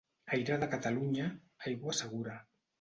Aire de Catalunya, aigua segura.